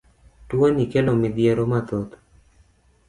Tuoni kelo midhiero mathoth.